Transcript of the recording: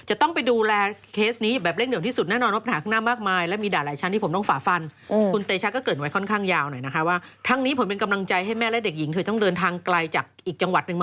อันนี้ต้องระวังนั่นแหละต้องระวัง